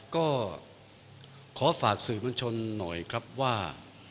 ก็ขอฝากสื่อมวลชนหน่อยครับว่า